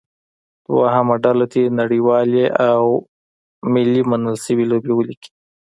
دویمه ډله دې نړیوالې او ملي منل شوې لوبې ولیکي.